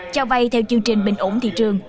cho vay theo chương trình bình ổn thị trường